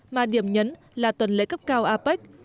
mà điểm nhấn là tuần lễ cấp cao apec